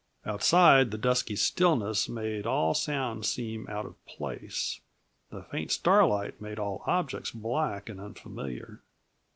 Outside, the dusky stillness made all sounds seem out of place; the faint starlight made all objects black and unfamiliar.